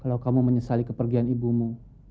kalau kamu menyesali kepergian ibumu